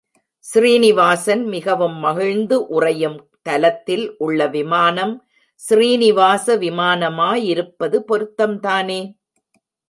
ஸ்ரீநிவாசன் மிகவும் மகிழ்ந்து உறையும் தலத்தில் உள்ள விமானம் ஸ்ரீநிவாச விமானமாயிருப்பது பொருத்தம் தானே.